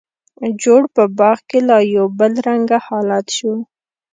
جوړ په باغ کې لا یو بل رنګه حالت شو.